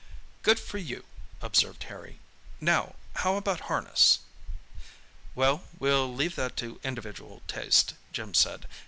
"Good for you," observed Harry. "Now, how about harness?" "Well, we'll leave that to individual taste," Jim said.